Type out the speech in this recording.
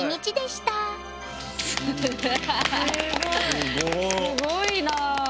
すごいなあ。